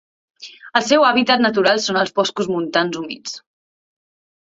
El seu hàbitat natural són els boscos montans humits.